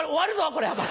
これお前。